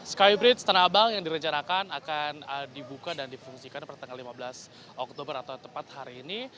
skybridge tanah abang yang direncanakan akan dibuka dan difungsikan pada tanggal lima belas oktober atau tepat hari ini